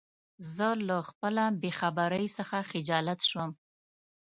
زه له خپله بېخبری څخه خجالت شوم.